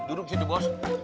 duduk disitu bos